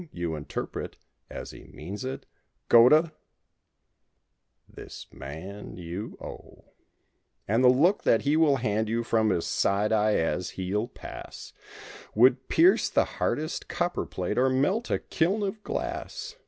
you interpret, as he means it: "Go to !" This man you owe. And the look that he will hand you from his side eye as he'll pass Would pierce the hardest copper plate or melt a kiln of glass.